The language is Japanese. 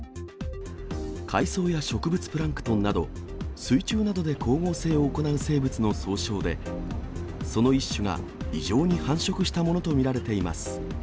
海藻や植物プランクトンなど、水中などで光合成を行う生物の総称で、その一種が異常に繁殖したものと見られています。